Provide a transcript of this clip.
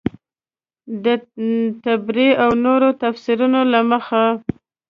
د طبري او نورو تفیسیرونو له مخې.